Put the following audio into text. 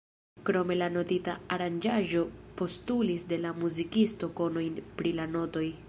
Krome la notita aranĝaĵo postulis de la muzikisto konojn pri la notoj.